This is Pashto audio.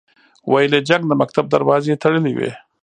ویل یې جنګ د مکتب دروازې تړلې وې.